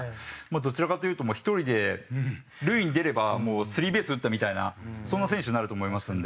どちらかというと１人で塁に出ればもうスリーベース打ったみたいなそんな選手になると思いますので。